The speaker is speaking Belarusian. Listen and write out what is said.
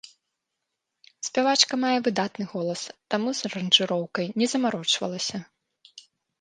Спявачка мае выдатны голас, таму з аранжыроўкай не замарочвалася.